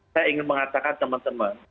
saya ingin mengatakan teman teman